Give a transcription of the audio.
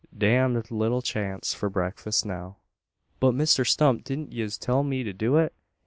Damned little chance for breakfust now." "But, Misther Stump, didn't yez till me to do it?